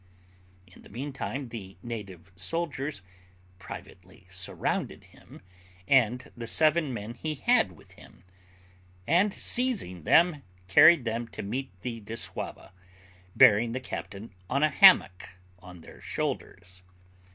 In the meantime the native soldiers privately surrounded him and the seven men he had with him, and seizing them, carried them to meet the dissauva, bearing the captain on a hammock on their shoulders.